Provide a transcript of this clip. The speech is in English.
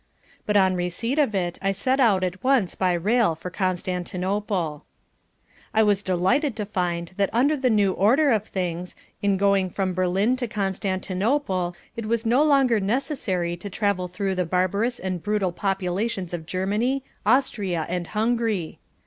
But on receipt of it, I set out at once by rail for Constantinople. I was delighted to find that under the new order of things in going from Berlin to Constantinople it was no longer necessary to travel through the barbarous and brutal populations of Germany, Austria and Hungary.